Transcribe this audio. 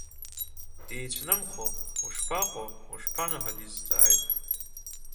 Дицәнымхо, ушԥаҟоу, ушԥану ҳәа дизҵааит.